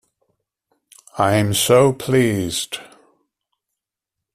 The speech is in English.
I'm so pleased.